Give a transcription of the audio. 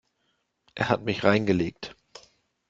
Er hat mich reingelegt.